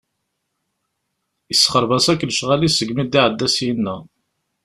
Isexreb-as akk lecɣal-is seg mi d-iɛedda syenna.